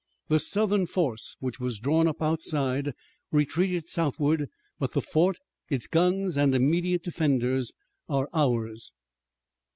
The Southern force, which was drawn up outside, retreated southward, but the fort, its guns and immediate defenders, are ours."